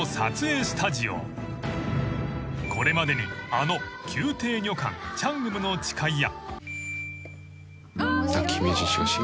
［これまでにあの『宮廷女官チャングムの誓い』や］